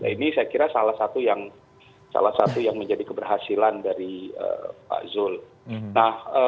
ini saya kira salah satu yang menjadi keberhasilan dari pak zul